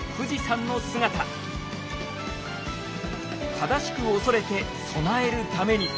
正しく恐れて備えるために。